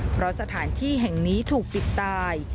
เพราะสถานที่แห่งนี้ถูกปิดตาย